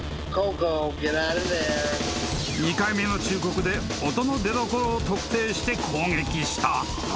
［２回目の忠告で音の出どころを特定して攻撃した］